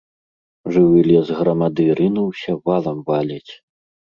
Жывы лес грамады рынуўся, валам валіць.